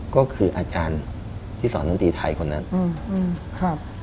ก็คืออาจารย์ที่สอนดนตรีไทยคนนั้นอืมครับ